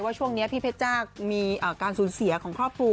ช่วงนี้พี่เพชรจ้ามีการสูญเสียของครอบครัว